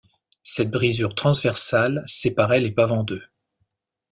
Cette brisure transversale séparait l’épave en deux.